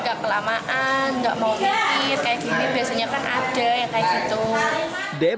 kayak gini biasanya kan ada yang kayak gitu